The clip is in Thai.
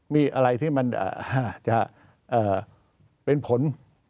มีอะไรที่จะเป็นผล